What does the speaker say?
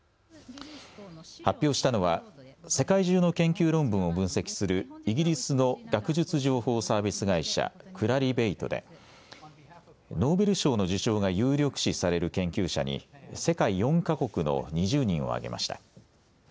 発表したのは世界中の研究論文を分析するイギリスの学術情報サービス会社、クラリベイトでノーベル賞の受賞が有力視される研究者に世界４か国の２０人を挙げました。